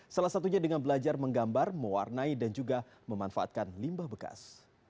salah satunya dengan belajar menggambar mewarnai dan juga memanfaatkan limbah bekas